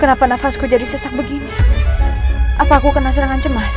kenapa nafasku jadi sesak begini apa aku kena serangan cemas